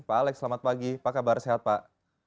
pak alex selamat pagi apa kabar sehat pak